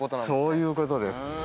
そういう事です。